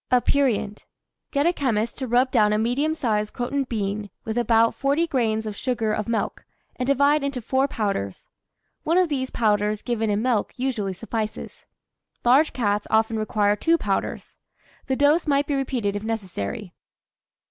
APERIENT. Get a chemist to rub down a medium size croton bean with about 40 grains of sugar of milk, and divide into four powders. One of these powders given in milk usually suffices. Large cats often require two powders. The dose might be repeated if necessary.